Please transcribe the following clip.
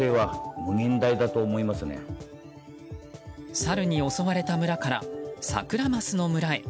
サルに襲われた村からサクラマスの村へ。